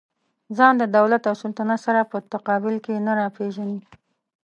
ځان د دولت او سلطنت سره په تقابل کې نه راپېژني.